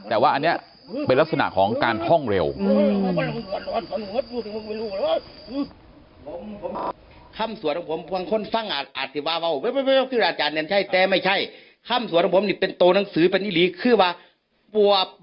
แต่ว่าอันนี้เป็นลักษณะของการท่องเร็ว